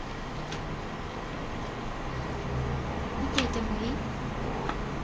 見ていてもいい？